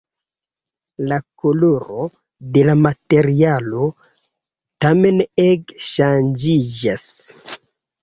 La koloro de la materialo tamen ege ŝanĝiĝas.